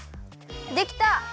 できた！